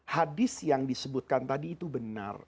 hadis yang disebutkan tadi itu benar